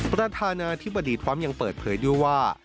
ประธานาธิบดีทรัมป์ยังเปิดเผยด้วยว่า